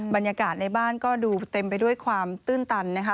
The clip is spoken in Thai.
บรรยากาศในบ้านก็ดูเต็มไปด้วยความตื้นตันนะคะ